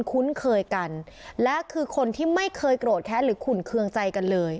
คุ้นเคยกันและคือคนที่ไม่เคยโกรธแค้นหรือขุ่นเครื่องใจกันเลย